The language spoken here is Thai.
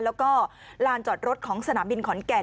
แล้วก็ลานจอดรถของสนามบินขอนแก่น